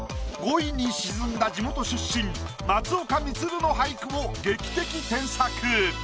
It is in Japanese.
５位に沈んだ地元出身松岡充の俳句を劇的添削。